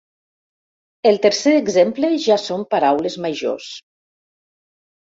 El tercer exemple ja són paraules majors.